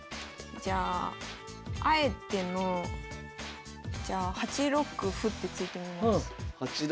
じゃああえてのじゃあ８六歩って突いてみます。